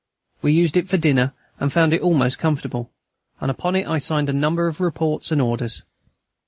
We used it for dinner, and found it almost comfortable, and upon it I signed a number of reports and orders.